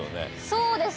そうですね。